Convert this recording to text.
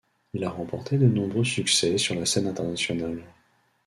Il a remporté de nombreux succès sur la scène internationale.